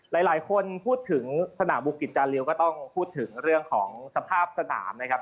หลายคนพูดถึงสนามบุกิจจาริวก็ต้องพูดถึงเรื่องของสภาพสนามนะครับ